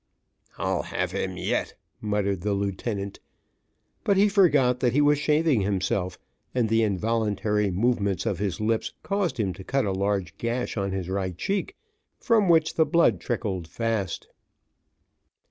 "I'll have him yet," muttered the lieutenant; but he forgot that he was shaving himself, and the involuntary movements of his lips caused him to cut a large gash on his right cheek, from which the blood trickled fast.